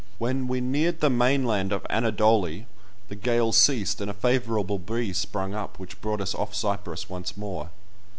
When we neared the mainland of Anadoli the gale ceased, and a favourable breeze sprung up, which brought us off Cyprus once more.